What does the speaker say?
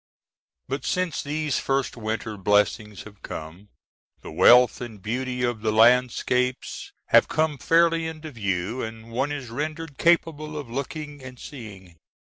But since these first winter blessings have come, the wealth and beauty of the landscapes have come fairly into view, and one is rendered capable of looking and seeing.